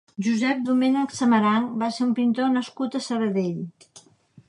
Josep Domènech Samaranch va ser un pintor nascut a Sabadell.